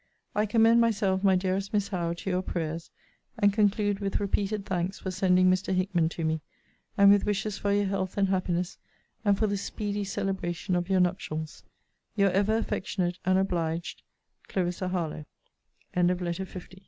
I commend myself, my dearest Miss Howe, to your prayers; and conclude with repeated thanks for sending Mr. Hickman to me; and with wishes for your health and happiness, and for the speedy celebration of your nuptials; Your ever affectiona